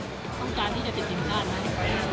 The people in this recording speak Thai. ต้องการที่จะเป็นจริงงานไหม